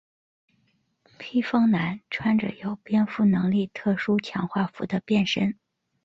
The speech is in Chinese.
披风男穿着有蝙蝠能力特殊强化服的变身。